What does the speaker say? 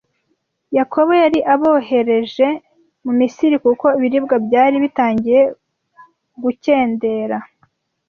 Yakobo yari abohereje mu Misiri kuko ibiribwa byari bitangiye gukendera